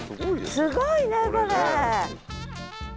すごいねこれ。